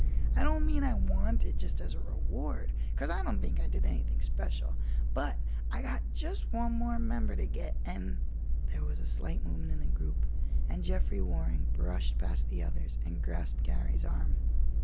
"I don't mean I want it just as a reward—'cause I don't think I did anything special. But I got just one more member to get and——" There was a slight movement in the group and Jeffrey Waring brushed past the others and grasped Garry's arm.